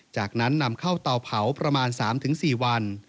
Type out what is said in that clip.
จากนั้นนำเข้าเตาเผาประมาณ๓๔วัน